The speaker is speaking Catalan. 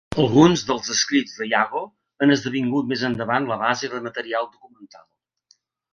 Alguns dels escrits de Yago han esdevingut més endavant la base de material documental.